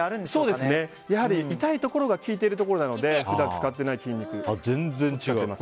そうですね、やはり痛いところが効いているところなので普段使っていない筋肉ですね。